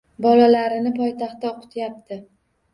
Bolalarini poytaxtda o`qityapti